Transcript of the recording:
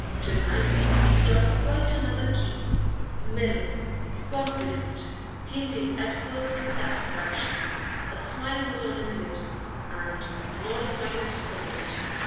To night he struck quite another key, mellow, confident, hinting at personal satisfaction; a smile was on his lips, and not a smile of scorn.